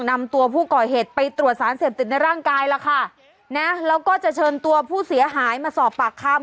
นำตัวผู้ก่อเหตุไปตรวจสารเสพติดในร่างกายล่ะค่ะนะแล้วก็จะเชิญตัวผู้เสียหายมาสอบปากคำ